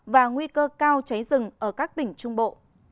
và nguy cơ cao cháy rừng ở các tỉnh trung bộ